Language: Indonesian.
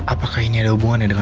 apakah ini ada hubungannya dengan